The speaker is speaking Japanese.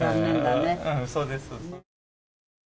そうです。